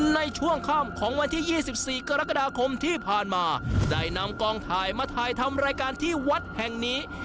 ในช่วงค่ำของวันที่๒๔กรกฎาคมที่ผ่านมาได้นำกองถ่ายมาถ่ายทำรายการที่วัดแห่งนี้